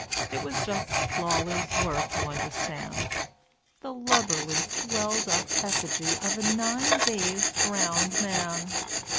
It was just Lawler's work, you understand the lubberly, swelled up effigy of a nine days drowned man!